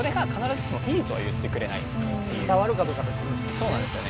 そうなんですよね。